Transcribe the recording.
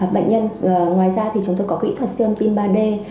bệnh nhân ngoài ra thì chúng tôi có kỹ thuật siêu âm tim ba d